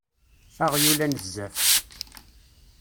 Aɣyul anezzaf!